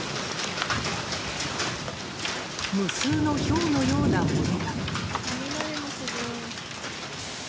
無数のひょうのようなものが。